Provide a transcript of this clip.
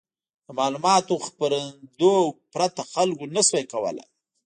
د معلوماتو خپرېدو پرته خلکو نه شوای کولای.